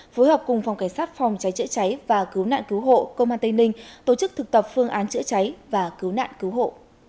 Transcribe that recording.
phối hợp cùng phòng cảnh sát phòng cháy chữa cháy và cứu nạn cứu hộ công an tây ninh tổ chức thực tập phương án chữa cháy và cứu nạn cứu hộ